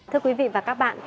thưa quý vị và các bạn